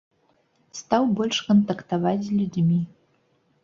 Стаў больш кантактаваць з людзьмі.